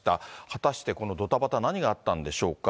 果たしてこのどたばた、何があったんでしょうか。